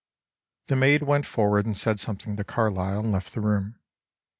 ] "The maid went forward and said something to Carlyle and left the room.